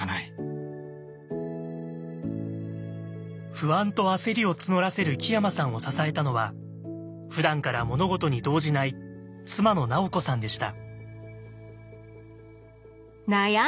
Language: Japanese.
不安と焦りを募らせる木山さんを支えたのはふだんから物事に動じない妻の直子さんでした。